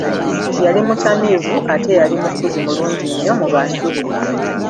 yali mutamiivu, ate yali mufuzi mulungi nnyo mu bantu be.